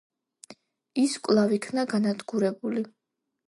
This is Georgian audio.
ის კვლავ იქნა განადგურებული.